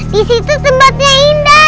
di situ tempatnya indah